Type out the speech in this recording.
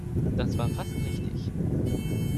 Das war fast richtig.